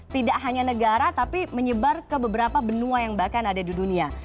tidak hanya negara tapi menyebar ke beberapa benua yang bahkan ada di dunia